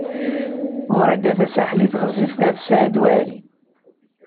Wrida Tasaḥlit wezzilet ɣef Saɛid Waɛli.